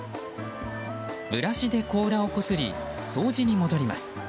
ブラシで甲羅をこすり掃除に戻ります。